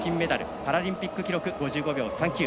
パラリンピック記録５５秒３９。